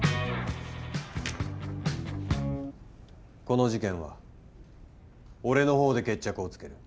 この事件は俺のほうで決着をつける。